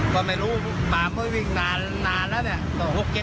ก็ไม่รู้ป่าค่อยวิ่งนานแล้วนี่